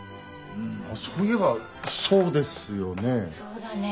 そういえばそうですよね。